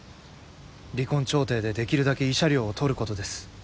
離婚調停でできるだけ慰謝料を取ることです。